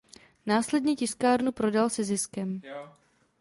Následně tiskárnu prodal se ziskem.